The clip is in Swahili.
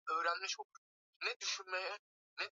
Na mpaka hapo ulianza kushamiri kila kona na kwa kasi kubwa